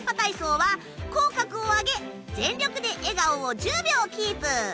口角を上げ全力で笑顔を１０秒キープ。